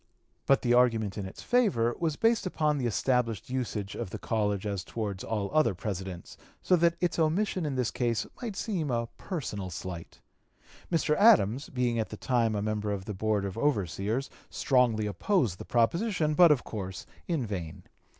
But the argument in its favor was based upon the established usage of the College as towards all other Presidents, so that its omission in this case might seem a personal slight. Mr. Adams, being at the time a member of the Board of Overseers, strongly opposed the proposition, but of course in vain.